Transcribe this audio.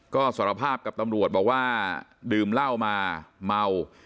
ก็สารภาพกับตำรวจบอกว่าดื่มเหล้ามาเมา